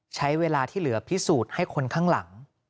ใช้เวลาที่เหลือพิสูจน์ให้คนข้างหลัง